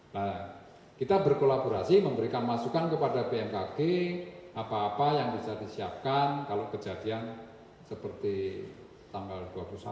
nah kita berkolaborasi memberikan masukan kepada bmkg apa apa yang bisa disiapkan kalau kejadian seperti tanggal dua puluh satu